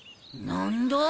何だ？